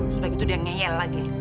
setelah itu dia ngeyel lagi